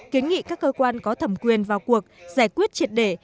kiến nghị các cơ quan có thẩm quyền vào cuộc giải quyết triệt để